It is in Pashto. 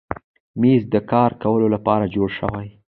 مېز د کار کولو لپاره جوړ شوی.